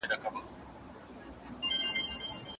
څلور واړه یې یوه یوه ګوله کړه